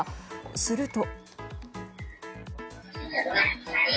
すると。